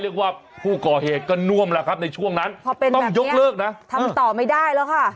เรียกว่าผู้ก่อเหตุกระนวมแหละครับช่วงนั้นทำตอไม่ได้แล้วค่ะ